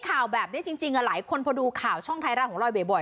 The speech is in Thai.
ข่าวแบบนี้จริงหลายคนพอดูข่าวช่องไทยรัฐของเราบ่อย